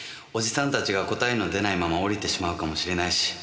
おじさんたちが答えの出ないまま降りてしまうかもしれないし。